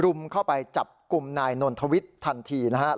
รุมเข้าไปจับกลุ่มนายนนทวิทย์ทันทีนะครับ